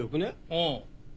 うん。